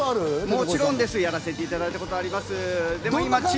もちろんやらせていただいたことあります。